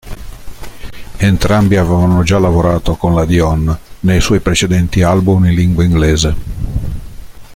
Entrambi avevano già lavorato con la Dion nei suoi precedenti album in lingua inglese.